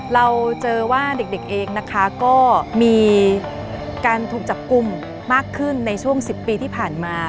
เราเจอว่าเด็กเองนะคะก็มีการถูกจับกลุ่มมากขึ้นในช่วง๑๐ปีที่ผ่านมา